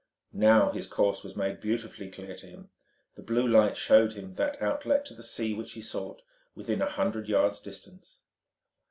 Now his course was made beautifully clear to him: the blue light showed him that outlet to the sea which he sought within a hundred yards' distance.